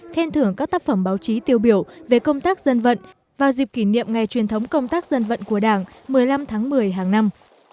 khen thưởng các tác phẩm báo chí tiêu biểu về công tác dân vận vào dịp kỷ niệm ngày truyền thống công tác dân vận của đảng một mươi năm tháng một mươi hàng năm